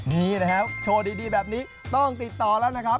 นี่นะครับโชว์ดีแบบนี้ต้องติดต่อแล้วนะครับ